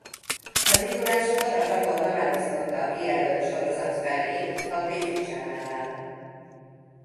Az induláskor a csatorna megosztotta a kijelölt sorozat felét a Disney Channel-rel.